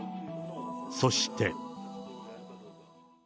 そして。